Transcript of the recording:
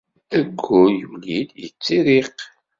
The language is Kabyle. Ayyur yuli-d yettirriq.